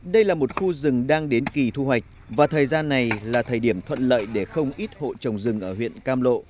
đây là một khu rừng đang đến kỳ thu hoạch và thời gian này là thời điểm thuận lợi để không ít hộ trồng rừng ở huyện cam lộ